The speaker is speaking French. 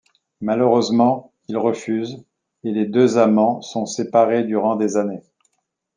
Malheureusement, il refuse, et les deux amants sont séparés durant des années.